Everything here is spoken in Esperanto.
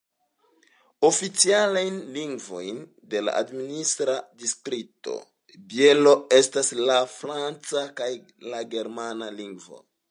Oficialaj lingvoj de la administra distrikto Bielo estas la franca kaj la germana lingvo.